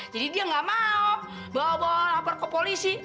jadi dia nggak mau bawa bawa lapor ke polisi